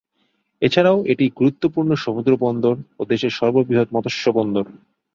এছাড়াও, এটি গুরুত্বপূর্ণ সমুদ্রবন্দর ও দেশের সর্ববৃহৎ মৎস্য বন্দর।